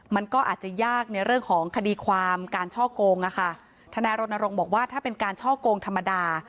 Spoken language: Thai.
มันก็อาจจะยากในเรื่องของคดีความการช่อโกงอะค่ะทนายรณรงค์บอกว่าถ้าเป็นการช่อกงธรรมดา